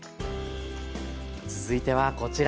続いてはこちら。